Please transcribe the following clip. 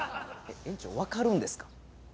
園長分かるんですか？